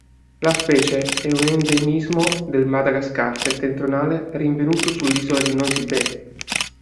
La specie è un endemismo del Madagascar settentrionale, rinvenuto sull'isola di Nosy Be.